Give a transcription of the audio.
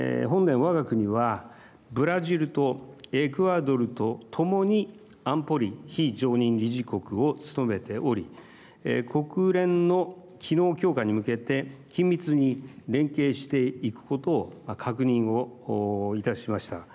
わが国はブラジルとエクアドルと共に安保理非常任理事国を務めており国連の機能強化に向けて緊密に連携していくことを確認をいたしました。